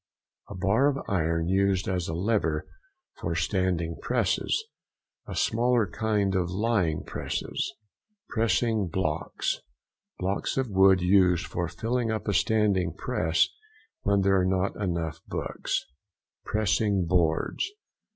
—A bar of iron used as a lever for standing presses; a smaller kind for lying presses. PRESSING BLOCKS.—Blocks of wood used for filling up a standing press when there are not enough books. PRESSING BOARDS.